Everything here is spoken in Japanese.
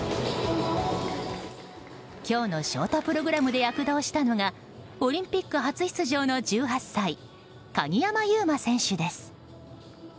今日のショートプログラムで躍動したのがオリンピック初出場の１８歳鍵山優真選手です。